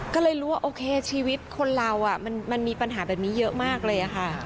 ก็เลยรู้ว่าโอเคชีวิตคนเรามันมีปัญหาแบบนี้เยอะมากเลยค่ะ